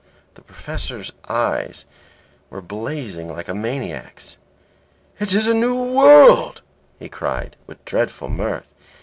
The Professor's eyes were blazing like a maniac's. "It is a new world," he cried, with a dreadful mirth.